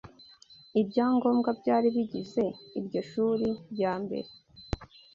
Ibyangombwa byari bigize iryo shuri rya mbere